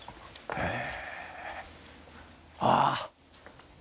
へえ。